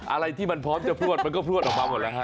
อะไรที่มันพร้อมจะพลวดมันก็พลวดออกมาหมดแล้วฮะ